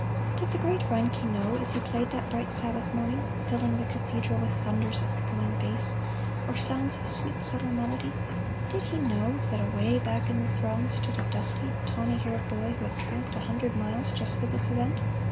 Did the great Reinke know as he played that bright Sabbath morning, filling the cathedral with thunders of echoing bass, or sounds of sweet, subtle melody did he know that away back in the throng stood a dusty, tawny haired boy who had tramped a hundred miles just for this event?